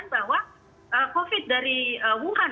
bahwa covid dari wuhan